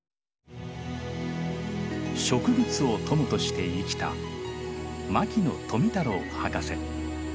植物を友として生きた牧野富太郎博士。